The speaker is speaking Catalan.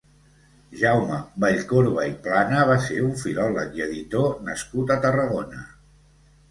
Jaume Vallcorba i Plana va ser un filòleg i editor nascut a Tarragona.